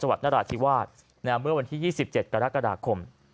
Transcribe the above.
วัดนราธิวาสเมื่อวันที่๒๗กรกฎาคม